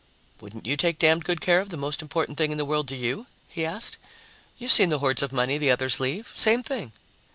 "Wouldn't you take damned good care of the most important thing in the world to you?" he asked. "You've seen the hoards of money the others leave. Same thing."